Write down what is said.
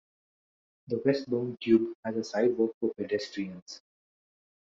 The westbound tube has a sidewalk for pedestrians.